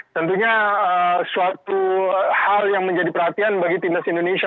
tentunya suatu hal yang menjadi perhatian bagi timnas indonesia